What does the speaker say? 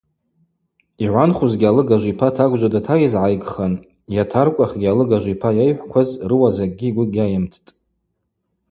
Йгӏванхузгьи алыгажв йпа тагвжва датайызгӏайгхын, йатаркӏвахгьи алыгажв йпа йайхӏвкваз рыуа закӏгьи гвы гьайымттӏ.